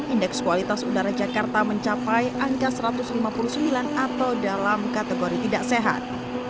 indeks kualitas udara jakarta mencapai angka satu ratus lima puluh sembilan atau dalam kategori tidak sehat